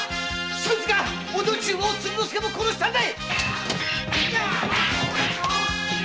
そいつが女中や鶴之助を殺したんだ